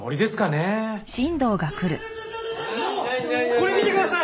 これ見てください！